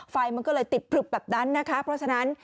ไฟมันก็เลยติดพลึบแบบนั้นนะคะเพราะฉะนั้น